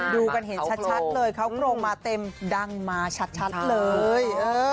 ดูกันเห็นชัดเลยเขากรงมาเต็มดังมาชัดเลย